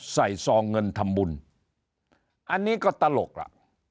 ซองเงินทำบุญอันนี้ก็ตลกล่ะ